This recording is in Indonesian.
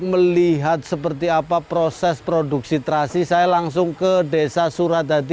melihat seperti apa proses produksi terasi saya langsung ke desa suradadi